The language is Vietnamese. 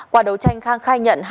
qua đấu tranh khang khai nhận